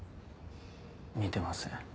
見てません。